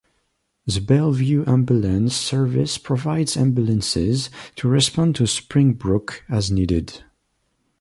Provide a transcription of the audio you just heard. The Bellvue ambulance service provides ambulances to respond to Springbrook as needed.